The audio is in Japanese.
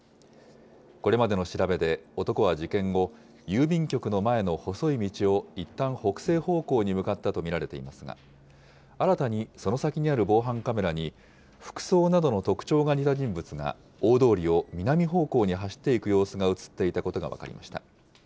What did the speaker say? これまでの調べで、男は事件後、郵便局の前の細い道をいったん北西方向に向かったと見られていますが、新たにその先にある防犯カメラに、服装などの特徴が似た人物が大通りを南方向に走っていく様子が写っていたことが分かりました。